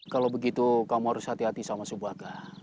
kalau begitu kamu harus hati hati sama subaga